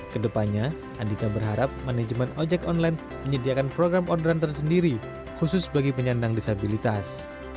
kedepannya andika berharap manajemen ojek online menyediakan program orderan tersendiri khusus bagi penyandang disabilitas